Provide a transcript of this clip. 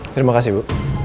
terima kasih bu